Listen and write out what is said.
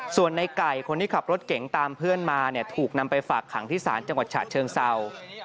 ส่วนในไก่คนที่ขับรถเก๋งตามเพื่อนมาเนี่ยถูกนำไปฝากขังที่ศาลจังหวัดฉะเชิงเศร้า